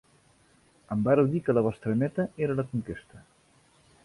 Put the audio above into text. Em vàreu dir que la vostra meta era la conquesta.